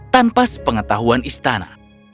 tanpa sepengetahuan istana